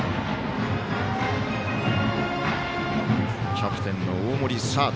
キャプテンの大森、サード。